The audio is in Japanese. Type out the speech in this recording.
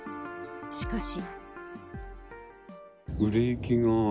しかし。